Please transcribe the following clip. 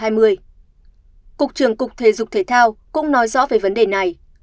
cục trưởng cục thể dục thể thao cũng nói rõ về vấn đề này